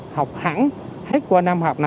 học hẳn hết qua năm học này